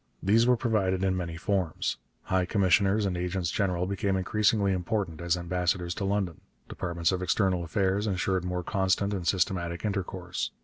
These were provided in many forms. High commissioners and agents general became increasingly important as ambassadors to London. Departments of External Affairs ensured more constant and systematic intercourse.